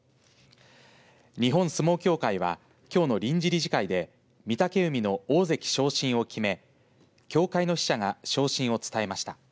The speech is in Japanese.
日本相撲協会はきょうの臨時理事会で御嶽海の大関昇進を決め協会の使者が昇進を伝えました。